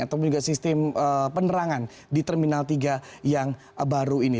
ataupun juga sistem penerangan di terminal tiga yang baru ini